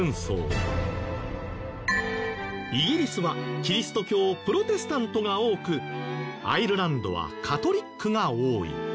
イギリスはキリスト教プロテスタントが多くアイルランドはカトリックが多い。